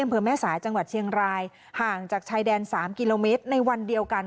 อำเภอแม่สายจังหวัดเชียงรายห่างจากชายแดน๓กิโลเมตรในวันเดียวกัน